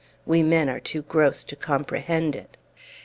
We men are too gross to comprehend it.